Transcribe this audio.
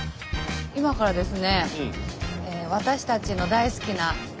今からですね